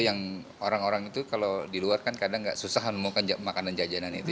yang orang orang itu kalau di luar kan kadang nggak susah menemukan makanan jajanan itu